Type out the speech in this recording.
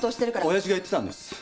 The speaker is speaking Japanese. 親父が言ってたんです。